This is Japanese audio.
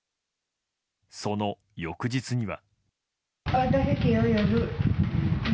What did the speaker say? その翌日には。